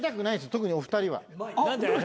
特にお二人は。